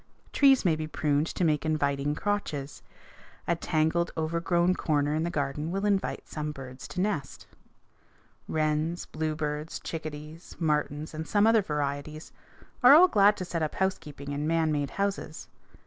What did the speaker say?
Trees may be pruned to make inviting crotches. A tangled, overgrown corner in the garden will invite some birds to nest. Wrens, bluebirds, chickadees, martins, and some other varieties are all glad to set up housekeeping in man made houses.